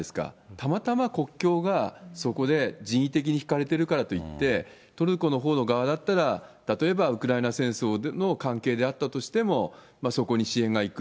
たまたま国境がそこで人為的に引かれているからといって、トルコのほうの側だったら例えばウクライナ戦争の関係であったとしても、そこに支援が行く。